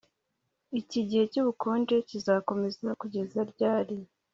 Iki gihe cyubukonje kizakomeza kugeza ryari